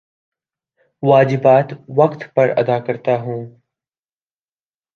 واجبات وقت پر ادا کرتا ہوں